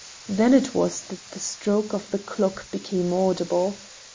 Then it was that the strokes of the clock became audible.